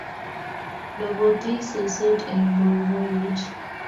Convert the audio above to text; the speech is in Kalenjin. Loboti seset eng boiboiyet